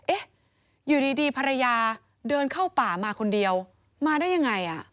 เอ๊ะอยู่ดีภรรยาเดินเข้าป่ามาคนเดียวมาได้ยังไงอ่ะ